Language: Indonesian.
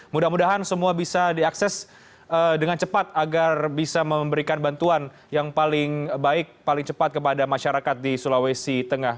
mudah mudahan semua bisa diakses dengan cepat agar bisa memberikan bantuan yang paling baik paling cepat kepada masyarakat di sulawesi tengah